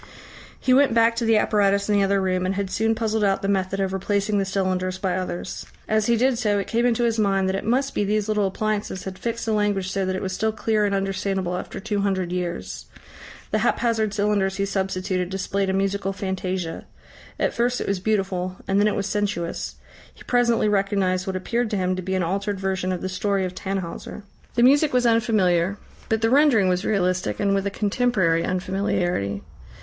He went back to the apparatus in the other room, and had soon puzzled out the method of replacing the cylinders by others. As he did so, it came into his mind that it must be these little appliances had fixed the language so that it was still clear and understandable after two hundred years. The haphazard cylinders he substituted displayed a musical fantasia. At first it was beautiful, and then it was sensuous. He presently recognised what appeared to him to be an altered version of the story of Tannhauser. The music was unfamiliar. But the rendering was realistic, and with a contemporary unfamiliarity.